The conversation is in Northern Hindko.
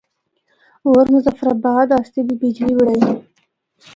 ہور مظفرآباد اسطے بھی بجلی بنڑائی۔